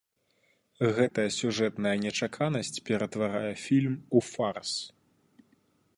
Гэтая сюжэтная нечаканасць ператварае фільм у фарс.